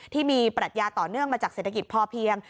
ที่มีปรัชญาต่อเนื่องมาจากเศรษฐกิจพอเพียง